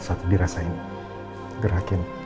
satu dua tiga